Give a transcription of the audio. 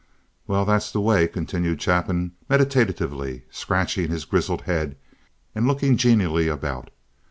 "Well, that's the way," continued Chapin, meditatively, scratching his grizzled head and looking genially about.